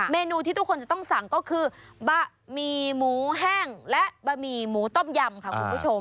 เมนูที่ทุกคนจะต้องสั่งก็คือบะหมี่หมูแห้งและบะหมี่หมูต้มยำค่ะคุณผู้ชม